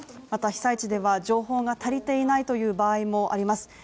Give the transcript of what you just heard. また被災地では情報が足りていないという場合もあります。